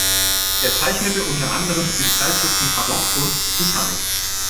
Er zeichnete unter anderem für die Zeitschriften "Pardon" und "Titanic".